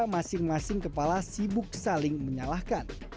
masing masing kepala sibuk saling menyalahkan